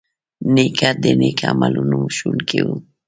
نیکه د نیک عملونو ښوونکی وي.